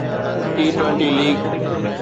T twenty league